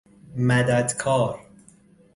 مددکار